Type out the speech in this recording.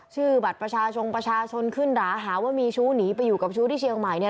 ชื่อบัตรประชาชนประชาชนขึ้นหราหาว่ามีชู้หนีไปอยู่กับชู้ที่เชียงใหม่เนี่ย